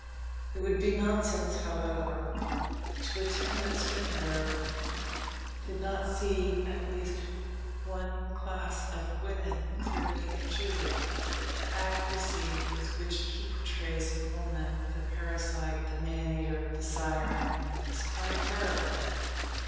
It would be nonsense, however, to pretend that Strindberg did not see at least one class of women clearly and truly. The accuracy with which he portrays woman the parasite, the man eater, the siren, is quite terrible.